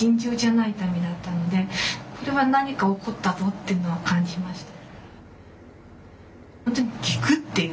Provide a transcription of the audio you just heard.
っていうのは感じました。